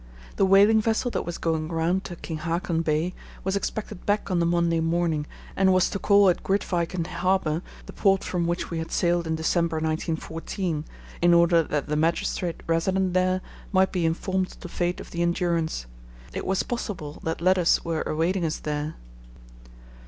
The whaling vessel that was going round to King Haakon Bay was expected back on the Monday morning, and was to call at Grytviken Harbour, the port from which we had sailed in December 1914, in order that the magistrate resident there might be informed of the fate of the Endurance. It was possible that letters were awaiting us there.